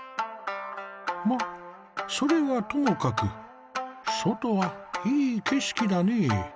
それはともかく外はいい景色だねえ。